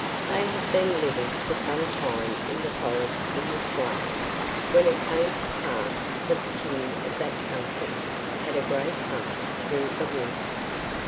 They had been living for some time in the forest in this way, when it came to pass that the King of that country had a great hunt through the woods.